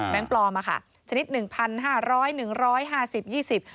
ปลอมอ่ะค่ะชนิดหนึ่งพันห้าร้อยหนึ่งร้อยห้าสิบยี่สิบ